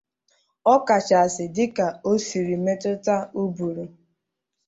ọkachasị dịka o siri metụta ụbụrụ